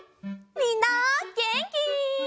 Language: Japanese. みんなげんき？